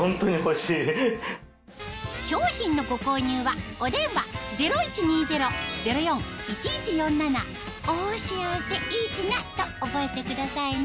商品のご購入はお電話０１２０−０４−１１４７と覚えてくださいね